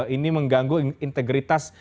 ini mengganggu integritas